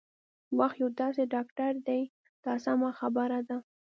وخت یو داسې ډاکټر دی دا سمه خبره ده.